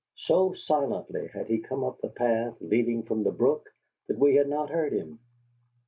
So silently had he come up the path leading from the brook that we had not heard him.